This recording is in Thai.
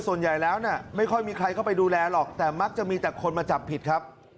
ส่วนใหญ่แล้วไม่ค่อยมีใครเข้าไปดูแลหรอกแต่มักจะมีแต่คนมาจับผิดครับ